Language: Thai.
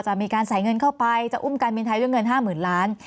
มีการใส่เงินเข้าไปจะอุ้มการบินไทยด้วยเงิน๕๐๐๐ล้าน